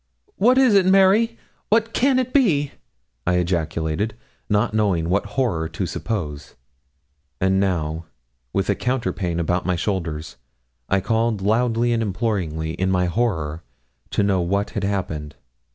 'What is it, Mary? what can it be?' I ejaculated, not knowing what horror to suppose. And now, with a counterpane about my shoulders, I called loudly and imploringly, in my horror, to know what had happened.